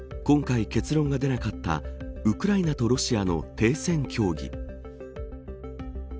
今回結論が出なかったウクライナとロシアの停戦協議。